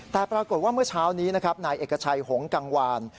แต่ปรากฏว่าเมื่อเช้านี้นะครับนายเอกชัยหงกังวาน